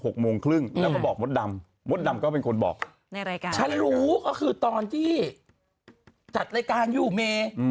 แล้วเขาบอกมถดำมถดำก็เป็นคนบอกจะรู้ก็คือตอนที่จัดรายการอยู่เม